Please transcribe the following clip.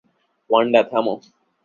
Wanda, থামো।